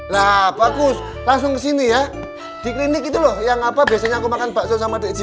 nah bagus langsung kesini ya di klinik gitu loh yang apa biasanya aku makan bakso sama dj